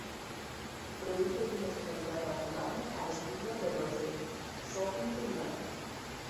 Produce vinos de calidad razonable, al estilo de los de sauvignon blanc.